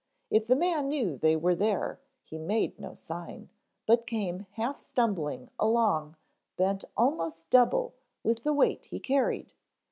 If the man knew they were there, he made no sign, but came half stumbling along bent almost double with the weight he carried.